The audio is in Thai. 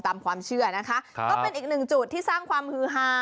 ตามความเชื่อนะคะก็เป็นอีกหนึ่งจุดที่สร้างความฮือฮา